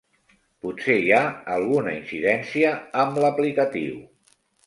Potser hi ha alguna incidència amb l'aplicatiu.